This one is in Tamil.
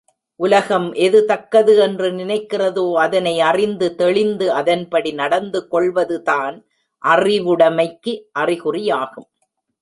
உலகம் எது தக்கது என்று நினைக்கிறதோ அதனை அறிந்து தெளிந்து அதன்படி நடந்துகொள்வதுதான் அறிவுடைமைக்கு அறிகுறியாகும்.